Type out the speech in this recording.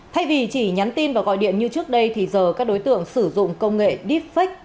thay vì chỉ nhắn tin và gọi điện như trước đây thì giờ các đối tượng sử dụng công nghệ deepfake